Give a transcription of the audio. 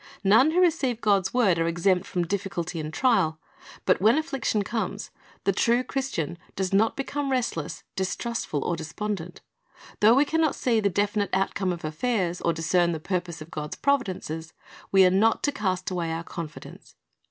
None who receive God's word are exempt from difficulty and trial; but 1 Ps. 40 : 8 ; John 5 : 30 2 j John 2 : 6 "The Sozver Went Foi th to Sozv" 6i when affliction comes, the true Christian does not become restless, distrustful, or despondent. Though we can not see the definite outcome of affairs, or discern the purpose of God's providences, we are not to cast away our confidence.